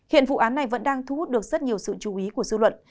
hiện vụ án này vẫn đang thu hút được rất nhiều sự chú ý của dư luận